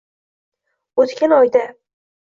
O'tkan oyda